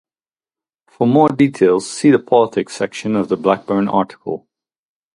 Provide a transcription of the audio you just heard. For more details, see the Politics section of the Blackburn article.